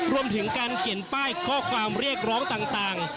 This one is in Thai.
รวมถึงการเขียนป้ายข้อความเรียกร้องต่าง